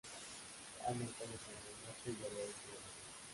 Hay montañas en el norte y el oeste de la ciudad.